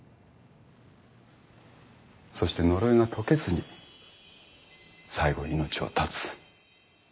そして呪いが解けずに最後命を絶つ。